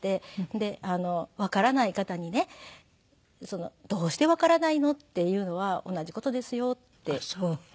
で「わからない方にね“どうしてわからないの？”って言うのは同じ事ですよ」っておっしゃったんですね。